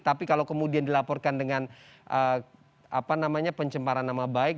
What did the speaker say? tapi kalau kemudian dilaporkan dengan pencemaran nama baik